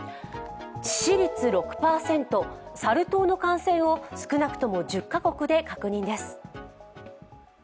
致死率６％、サル痘の感染を少なくとも１０カ国で確認です。